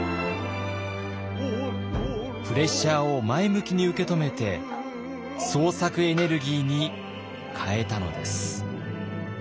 プレッシャーを前向きに受け止めて創作エネルギーに変えたのです。